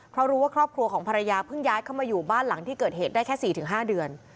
เพราะรู้ว่าครอบครัวของภรรยาเพิ่งย้ายเข้ามาอยู่บ้านหลังที่เกิดเหตุได้แค่๔๕เดือน